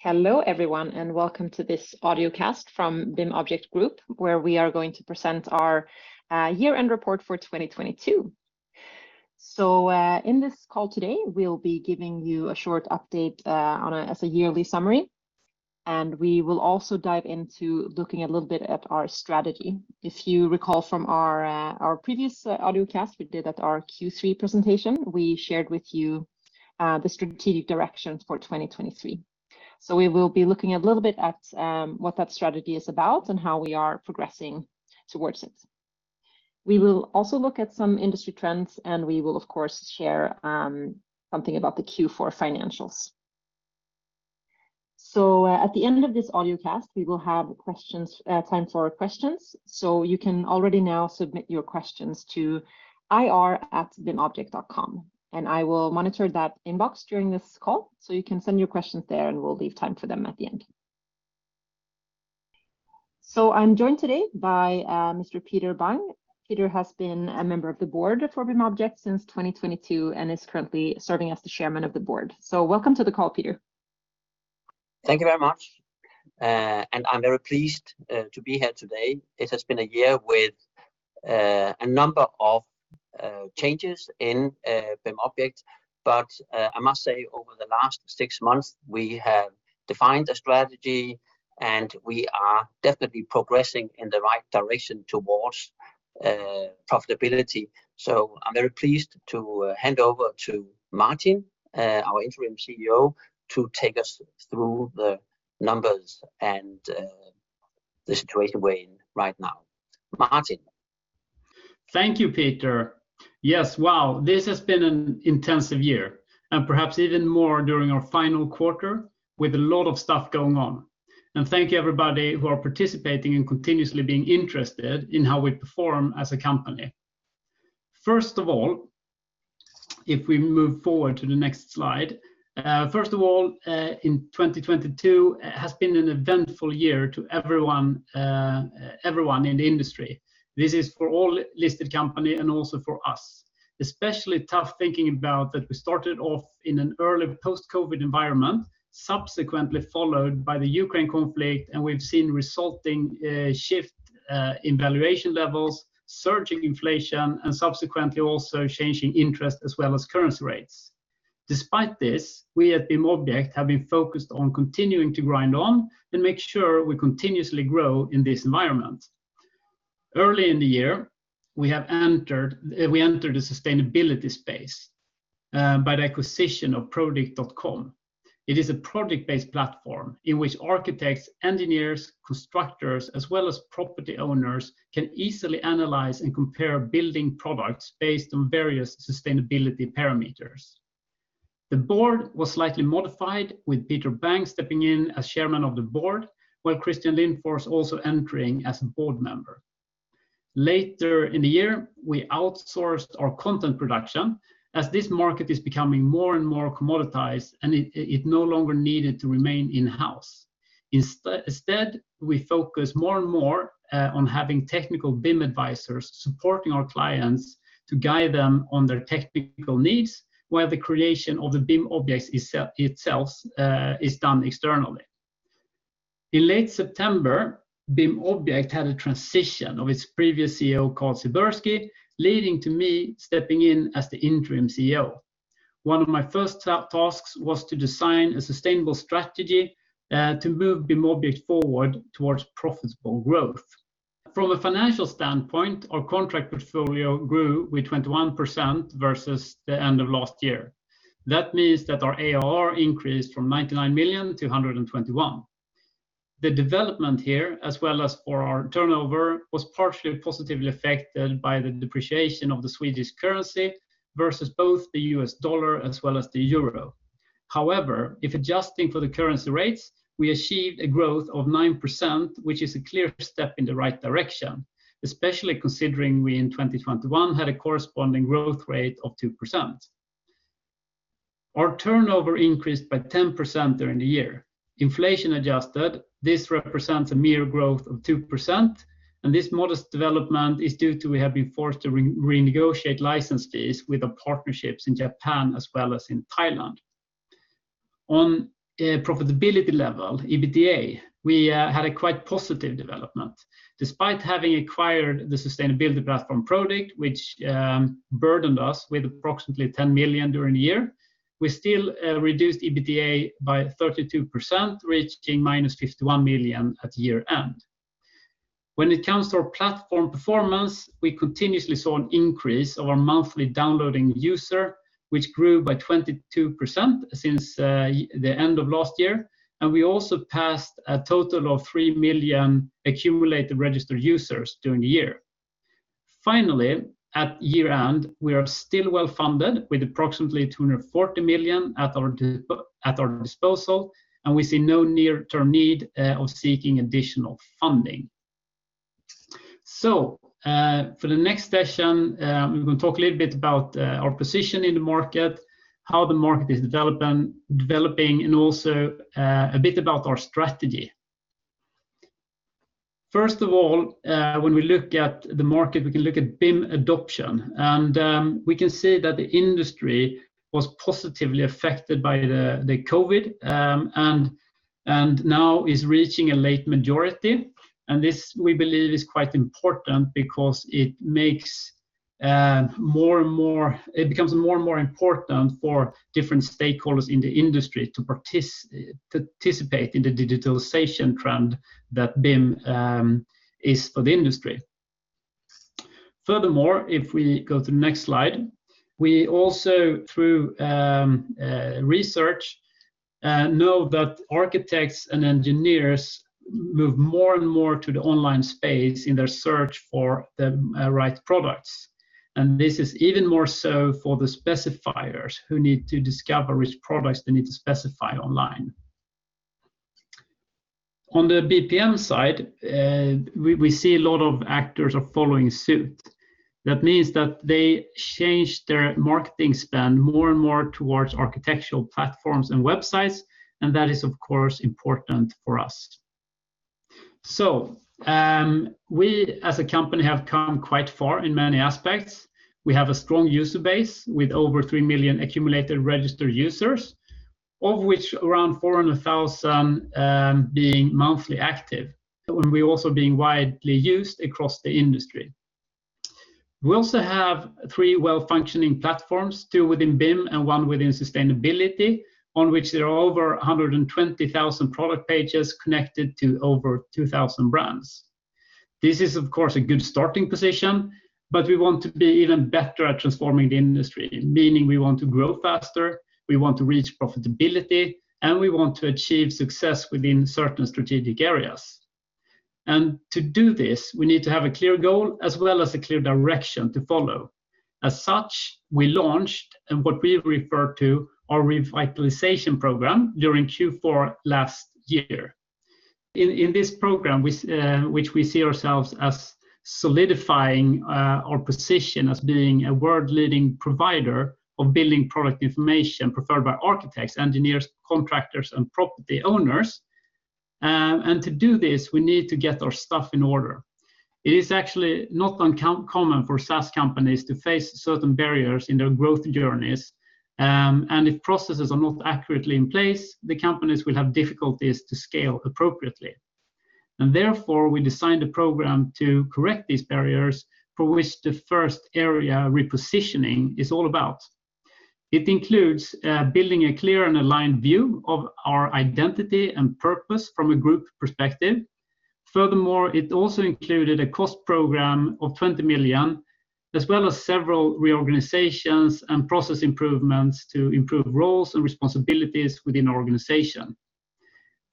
Hello, everyone, and welcome to this audio cast from BIMobject Group, where we are going to present our year-end report for 2022. In this call today, we'll be giving you a short update as a yearly summary. We will also dive into looking a little bit at our strategy. If you recall from our previous audio cast we did at our Q3 presentation, we shared with you the strategic directions for 2023. We will be looking a little bit at what that strategy is about. How we are progressing towards it. We will also look at some industry trends. We will, of course, share something about the Q4 financials. At the end of this audio cast, we will have questions, time for questions. You can already now submit your questions to ir@bimobject.com, and I will monitor that inbox during this call, so you can send your questions there, and we'll leave time for them at the end. I'm joined today by Mr. Peter Bang. Peter has been a member of the board for BIMobject since 2022 and is currently serving as the Chairman of the Board. Welcome to the call, Peter. Thank you very much, and I'm very pleased to be here today. It has been a year with a number of changes in BIMobject, but I must say, over the last six months, we have defined a strategy, and we are definitely progressing in the right direction towards profitability. I'm very pleased to hand over to Martin, our interim CEO, to take us through the numbers and the situation we're in right now. Martin. Thank you, Peter. Yes. Wow, this has been an intensive year, and perhaps even more during our final quarter with a lot of stuff going on. Thank you everybody who are participating and continuously being interested in how we perform as a company. First of all, if we move forward to the next slide. First of all, in 2022 has been an eventful year to everyone in the industry. This is for all listed company and also for us. Especially tough thinking about that we started off in an early post-COVID environment, subsequently followed by the Ukraine conflict, we've seen resulting shift in valuation levels, surging inflation, and subsequently also changing interest as well as currency rates. Despite this, we at BIMobject have been focused on continuing to grind on and make sure we continuously grow in this environment. Early in the year, we entered the sustainability space by the acquisition of prodikt.com. It is a product-based platform in which architects, engineers, constructors, as well as property owners can easily analyze and compare building products based on various sustainability parameters. The board was slightly modified, with Peter Bang stepping in as chairman of the board, while Christian Lindfors also entering as a board member. Later in the year, we outsourced our content production, as this market is becoming more and more commoditized, and it no longer needed to remain in-house. Instead, we focus more and more on having technical BIM advisors supporting our clients to guide them on their technical needs, while the creation of the BIM objects itself is done externally. In late September, BIMobject had a transition of its previous CEO, Carl Silbersky, leading to me stepping in as the interim CEO. One of my first tasks was to design a sustainable strategy to move BIMobject forward towards profitable growth. From a financial standpoint, our contract portfolio grew with 21% versus the end of last year. That means that our AR increased from 99 million to 121 million. The development here, as well as for our turnover, was partially positively affected by the depreciation of the Swedish currency versus both the U.S. dollar as well as the euro. However, if adjusting for the currency rates, we achieved a growth of 9%, which is a clear step in the right direction, especially considering we in 2021 had a corresponding growth rate of 2%. Our turnover increased by 10% during the year. Inflation adjusted, this represents a mere growth of 2%. This modest development is due to we have been forced to re-negotiate license fees with the partnerships in Japan as well as in Thailand. On a profitability level, EBITDA, we had a quite positive development. Despite having acquired the sustainability platform, Prodikt, which burdened us with approximately 10 million during the year, we still reduced EBITDA by 32%, reaching minus 51 million at year-end. When it comes to our platform performance, we continuously saw an increase of our monthly downloading user, which grew by 22% since the end of last year. We also passed a total of 3 million accumulated registered users during the year. Finally, at year-end, we are still well-funded with approximately 240 million at our disposal. We see no near-term need of seeking additional funding. For the next session, we will talk a little bit about our position in the market, how the market is developing, also a bit about our strategy. First of all, when we look at the market, we can look at BIM adoption. We can see that the industry was positively affected by the COVID. Now is reaching a late majority. This, we believe, is quite important because it makes more and more important for different stakeholders in the industry to participate in the digitalization trend that BIM is for the industry. Furthermore, if we go to the next slide, we also, through research, know that architects and engineers move more and more to the online space in their search for the right products. This is even more so for the specifiers who need to discover which products they need to specify online. On the BPM side, we see a lot of actors are following suit. That means that they change their marketing spend more and more towards architectural platforms and websites, and that is, of course, important for us. We, as a company, have come quite far in many aspects. We have a strong user base with over 3 million accumulated registered users, of which around 400,000 being monthly active, and we're also being widely used across the industry. We also have three well-functioning platforms, two within BIM and one within sustainability, on which there are over 120,000 product pages connected to over 2,000 brands. This is, of course, a good starting position. We want to be even better at transforming the industry, meaning we want to grow faster, we want to reach profitability, and we want to achieve success within certain strategic areas. To do this, we need to have a clear goal as well as a clear direction to follow. As such, we launched what we refer to our revitalization program during Q4 last year. In this program, which we see ourselves as solidifying our position as being a world-leading provider of building product information preferred by architects, engineers, contractors, and property owners. To do this, we need to get our stuff in order. It is actually not uncommon for SaaS companies to face certain barriers in their growth journeys, if processes are not accurately in place, the companies will have difficulties to scale appropriately. Therefore, we designed a program to correct these barriers for which the first area repositioning is all about. It includes building a clear and aligned view of our identity and purpose from a group perspective. Furthermore, it also included a cost program of 20 million, as well as several reorganizations and process improvements to improve roles and responsibilities within our organization.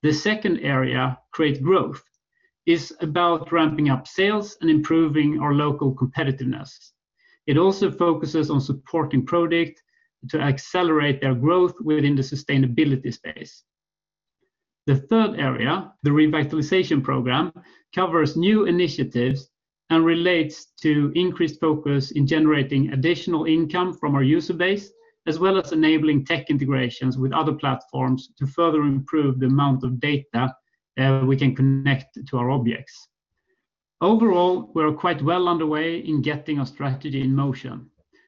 The second area, create growth, is about ramping up sales and improving our local competitiveness. It also focuses on supporting Prodikt to accelerate their growth within the sustainability space. The third area, the revitalization program, covers new initiatives and relates to increased focus in generating additional income from our user base, as well as enabling tech integrations with other platforms to further improve the amount of data we can connect to our objects. Overall, we're quite well underway in getting our strategy in motion.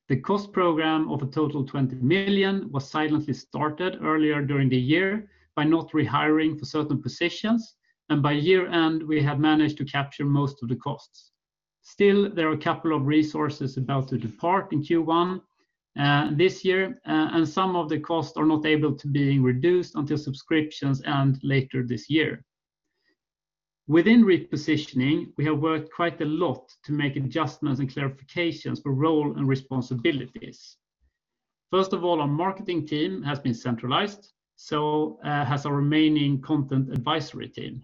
The cost program of a total 20 million was silently started earlier during the year by not rehiring for certain positions. By year-end, we have managed to capture most of the costs. Still, there are a couple of resources about to depart in Q1 this year. Some of the costs are not able to being reduced until subscriptions end later this year. Within repositioning, we have worked quite a lot to make adjustments and clarifications for role and responsibilities. First of all, our marketing team has been centralized, so has our remaining content advisory team.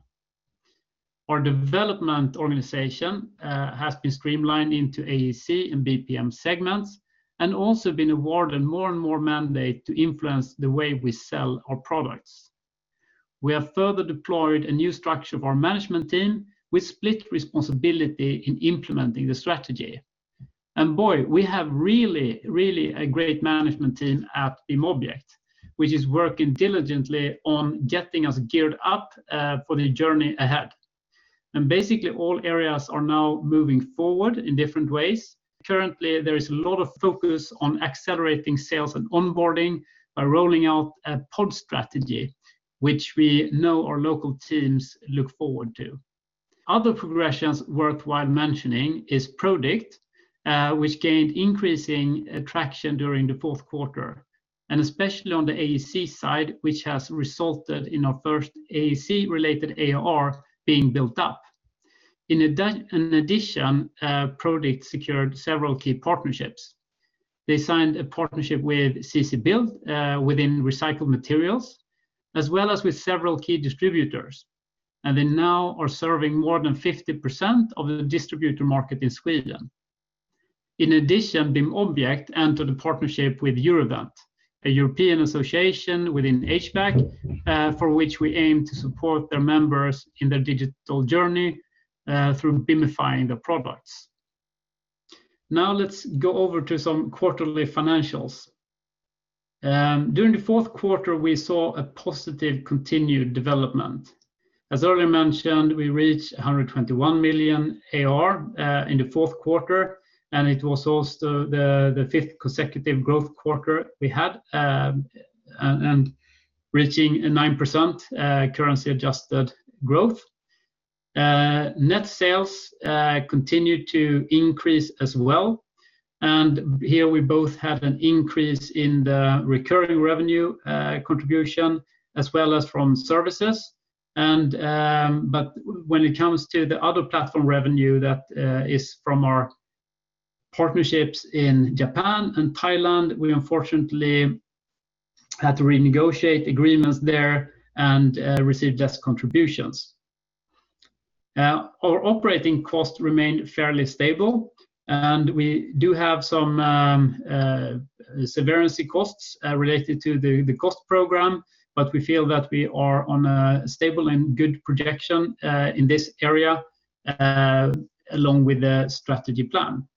Our development organization has been streamlined into AEC and BPM segments and also been awarded more and more mandate to influence the way we sell our products. We have further deployed a new structure of our management team with split responsibility in implementing the strategy. Boy, we have really a great management team at BIMobject, which is working diligently on getting us geared up for the journey ahead. Basically, all areas are now moving forward in different ways. Currently, there is a lot of focus on accelerating sales and onboarding by rolling out a pod strategy, which we know our local teams look forward to. Other progressions worthwhile mentioning is Prodikt, which gained increasing traction during the fourth quarter, and especially on the AEC side, which has resulted in our first AEC-related ARR being built up. In addition, Prodikt secured several key partnerships. They signed a partnership with CCBuild, within recycled materials, as well as with several key distributors, and they now are serving more than 50% of the distributor market in Sweden. In addition, BIMobject entered a partnership with Eurovent, a European association within HVAC, for which we aim to support their members in their digital journey, through BIMifying the products. Let's go over to some quarterly financials. During the fourth quarter, we saw a positive continued development. As earlier mentioned, we reached 121 million ARR in the fourth quarter. It was also the fifth consecutive growth quarter we had, reaching a 9% currency-adjusted growth. Net sales continued to increase as well. Here we both have an increase in the recurring revenue contribution as well as from services. When it comes to the other platform revenue that is from our partnerships in Japan and Thailand, we unfortunately had to renegotiate agreements there and receive less contributions. Our operating costs remained fairly stable. We do have some severance costs related to the cost program. We feel that we are on a stable and good projection in this area along with the strategy plan.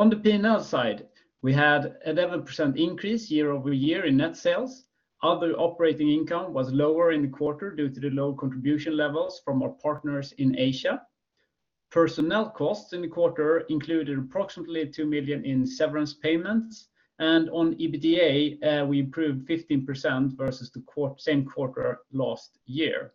On the P&L side, we had 11% increase year-over-year in net sales. Other operating income was lower in the quarter due to the low contribution levels from our partners in Asia. Personnel costs in the quarter included approximately 2 million in severance payments. On EBITDA, we improved 15% versus the same quarter last year.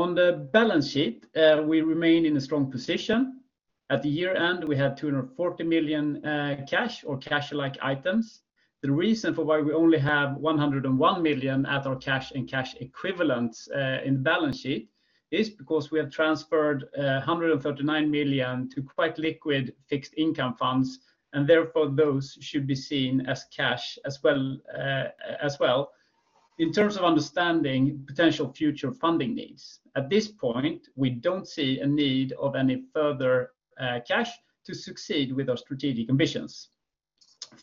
On the balance sheet, we remain in a strong position. At the year-end, we had 240 million cash or cash-like items. The reason for why we only have 101 million at our cash and cash equivalents in the balance sheet is because we have transferred 139 million to quite liquid fixed income funds, therefore, those should be seen as cash as well, as well. In terms of understanding potential future funding needs, at this point, we don't see a need of any further cash to succeed with our strategic ambitions.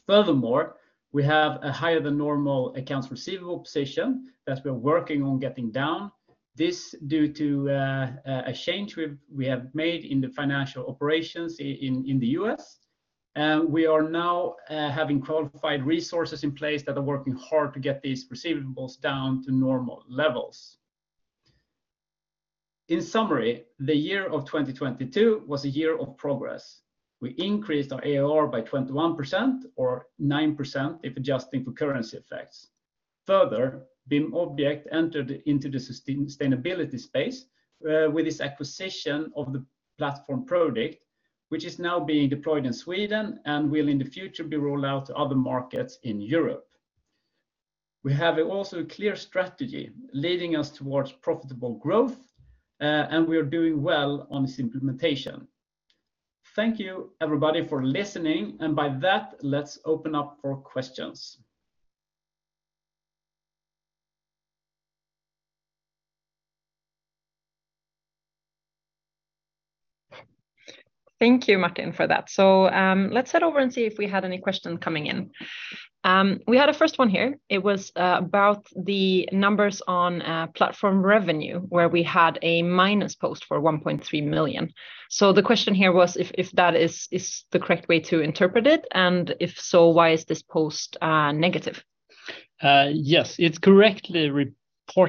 Furthermore, we have a higher than normal accounts receivable position that we're working on getting down. This due to a change we have made in the financial operations in the U.S. We are now having qualified resources in place that are working hard to get these receivables down to normal levels. In summary, the year of 2022 was a year of progress. We increased our ARR by 21% or 9% if adjusting for currency effects. Further, BIMobject entered into the sustainability space with its acquisition of the platform, Prodikt, which is now being deployed in Sweden and will in the future be rolled out to other markets in Europe. We have also a clear strategy leading us towards profitable growth, and we are doing well on this implementation. Thank you, everybody, for listening. By that, let's open up for questions. Thank you, Martin, for that. Let's head over and see if we had any questions coming in. We had a first one here. It was about the numbers on platform revenue, where we had a minus post for 1.3 million. The question here was if that is the correct way to interpret it, and if so, why is this post negative? Yes. It's correctly reported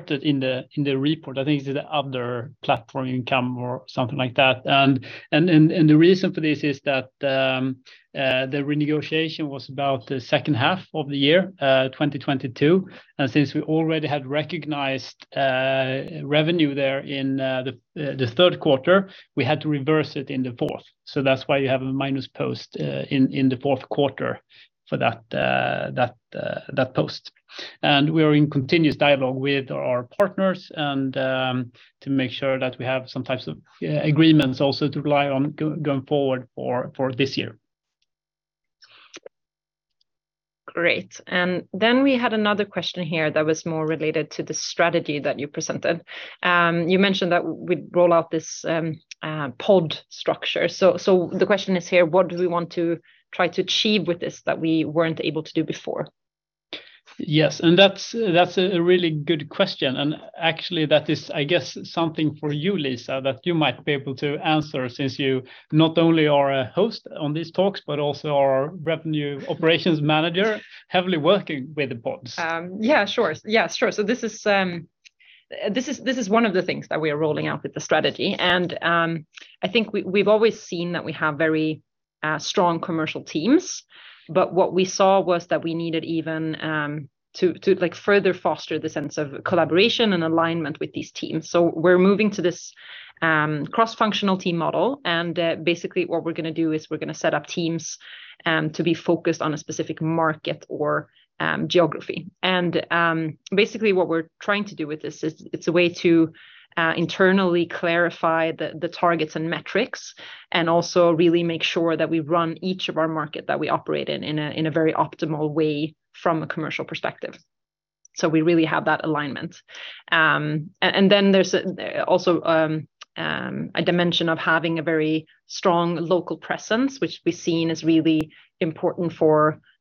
in the report. I think it's the other platform income or something like that. The reason for this is that the renegotiation was about the second half of the year 2022. Since we already had recognized revenue there in the third quarter, we had to reverse it in the fourth. That's why you have a minus post in the fourth quarter for that post. We are in continuous dialogue with our partners and to make sure that we have some types of agreements also to rely on going forward for this year. Great. We had another question here that was more related to the strategy that you presented. You mentioned that we'd roll out this pod structure. The question is here, what do we want to try to achieve with this that we weren't able to do before? Yes. That's a really good question. Actually, that is, I guess, something for you, Lisa, that you might be able to answer since you not only are a host on these talks, but also our revenue operations manager, heavily working with the pods. Yeah, sure. Yeah, sure. This is one of the things that we are rolling out with the strategy. I think we've always seen that we have very strong commercial teams. What we saw was that we needed even to, like, further foster the sense of collaboration and alignment with these teams. We're moving to this cross-functional team model. Basically, what we're gonna do is we're gonna set up teams to be focused on a specific market or geography. Basically, what we're trying to do with this is it's a way to internally clarify the targets and metrics and also really make sure that we run each of our market that we operate in a very optimal way from a commercial perspective. We really have that alignment. And then there's also a dimension of having a very strong local presence, which we've seen is really important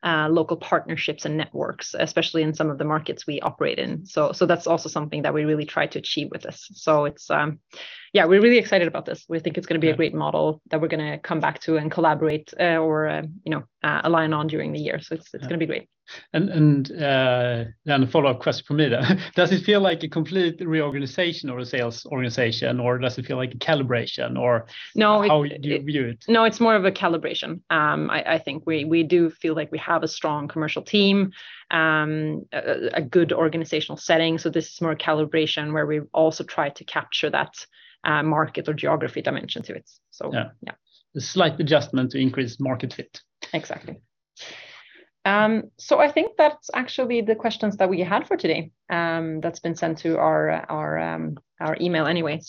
for local partnerships and networks, especially in some of the markets we operate in. That's also something that we really try to achieve with this. It's, yeah, we're really excited about this. We think it's gonna be a great model that we're gonna come back to and collaborate or, you know, align on during the year. It's gonna be great. Then a follow-up question from me then. Does it feel like a complete reorganization of the sales organization, or does it feel like a calibration? No. How do you view it? It's more of a calibration. I think we do feel like we have a strong commercial team, a good organizational setting. This is more a calibration where we also try to capture that market or geography dimension to it. Yeah. Yeah. A slight adjustment to increase market fit. Exactly. I think that's actually the questions that we had for today, that's been sent to our email anyway.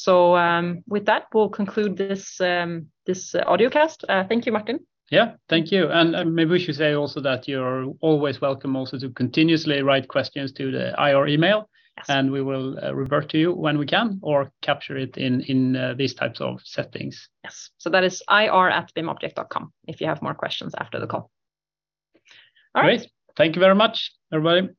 With that, we'll conclude this audiocast. Thank you, Martin. Yeah. Thank you. Maybe we should say also that you're always welcome also to continuously write questions to the IR email. Yes. We will revert to you when we can or capture it in these types of settings. Yes. That is ir@bimobject.com if you have more questions after the call. All right. Great. Thank you very much, everybody.